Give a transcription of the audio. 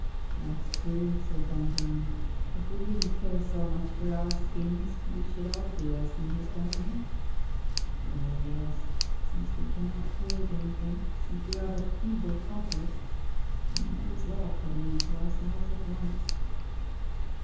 'That's true,' said Bongrand; 'if we didn't care so much for our skins we should all do as he has done, eh?' 'Well, yes; since we cannot create anything, since we are but feeble copyists, we might as well put an end to ourselves at once.